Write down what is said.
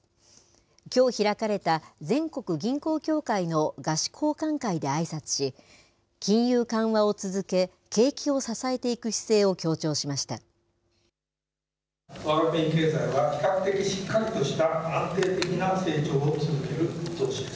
きょう開かれた全国銀行協会の賀詞交歓会であいさつし、金融緩和を続け、景気を支えていく姿勢を強調しました。